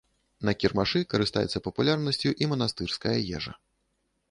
На кірмашы карыстаецца папулярнасцю і манастырская ежа.